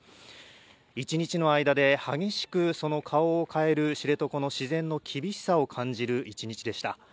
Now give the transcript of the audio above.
一日の間で激しくその顔を変える知床の自然の厳しさを感じる一日でした。